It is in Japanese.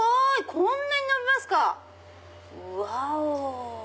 こんなにのびますか⁉ワオ！